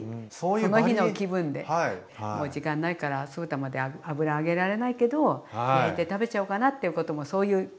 もう時間ないから酢豚まで油揚げられないけど焼いて食べちゃおうかなっていうことも。